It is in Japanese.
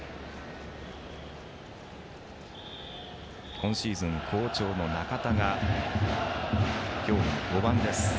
今シーズン好調の中田が今日も５番です。